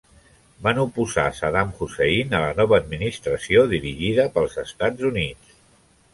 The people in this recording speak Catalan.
Van oposar Saddam Hussein a la nova administració dirigida pels Estats Units.